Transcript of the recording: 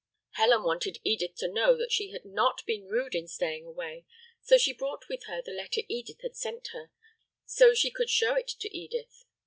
] Helen wanted Edith to know that she had not been rude in staying away, so she brought with her the letter Edith had sent to her, so she could show it to Edith.